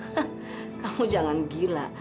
hah kamu jangan gila